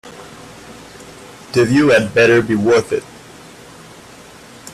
The view had better be worth it.